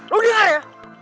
lo denger ya